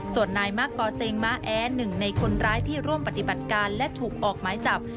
ส่วนนายมะกอเซงม้าแอหนึ่งในคนร้ายที่ร่วมปฏิบัติการและถูกออกหมายจับ